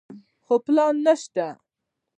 خو پلان نشته.